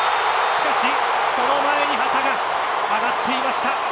しかし、その前に旗が上がっていました。